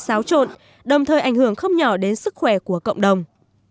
nó sẽ bị báo trộn đồng thời ảnh hưởng không nhỏ đến sức khỏe của cộng đồng